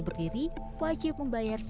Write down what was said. misalnya sekitar s